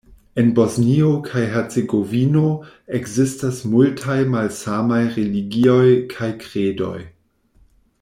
En Bosnio kaj Hercegovino ekzistas multaj malsamaj religioj kaj kredoj.